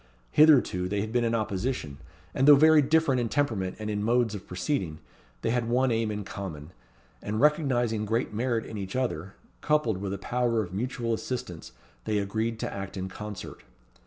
Hitherto they had been in opposition, and though very different in temperament and in modes of proceeding, they had one aim in common; and recognizing great merit in each other, coupled with a power of mutual assistance, they agreed to act in concert.